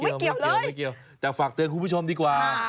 เราไม่เกี่ยวไม่เกี่ยวแต่ฝากเตือนคุณผู้ชมดีกว่า